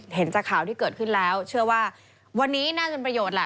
เห็นจากข่าวที่เกิดขึ้นแล้วเชื่อว่าวันนี้น่าจะเป็นประโยชน์แหละ